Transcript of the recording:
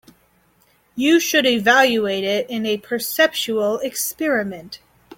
You should evaluate it in a perceptual experiment.